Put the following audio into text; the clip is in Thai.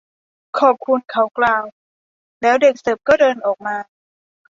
ขอบคุณ เขากล่าว แล้วเด็กเสิร์ฟก็เดินออกมา